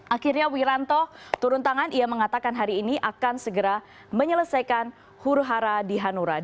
akhirnya wiranto turun tangan ia mengatakan hari ini akan segera menyelesaikan huru hara di hanura